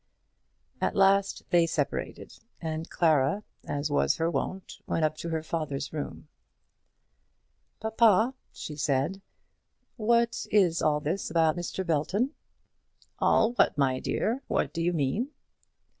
At last they separated, and Clara, as was her wont, went up to her father's room. "Papa," she said, "what is all this about Mr. Belton?" "All what, my dear? what do you mean?"